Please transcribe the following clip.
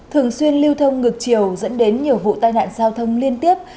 thường xuyên lưu thông ngược chiều dẫn đến nhiều vụ tai nạn giao thông liên tiếp